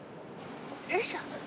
よいしょ。